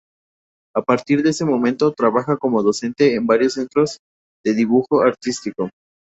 A partir de ese momento, trabajó como docente en varios centros de dibujo artístico.